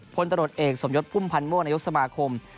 พลตรวจเอกสมยศพุ่มพันธ์ม่วงนายกสมาคม